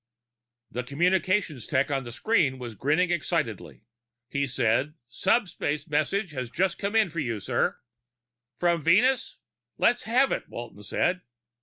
The communications tech on the screen was grinning excitedly. He said, "Subspace message just came in for you, sir." "From Venus?" "No, sir. From Colonel McLeod." "Let's have it," Walton said.